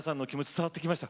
伝わってきました。